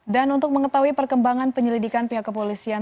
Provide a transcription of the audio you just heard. untuk mengetahui perkembangan penyelidikan pihak kepolisian